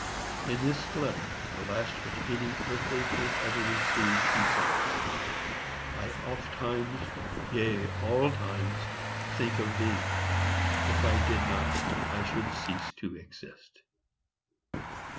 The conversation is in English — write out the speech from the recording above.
In this letter, the last which any earthly friend ever received, he says: I ofttimes, yea, all times, think of thee;—if I did not, I should cease to exist.